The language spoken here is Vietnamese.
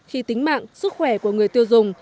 khi tính mạng sức khỏe của người tiêu dùng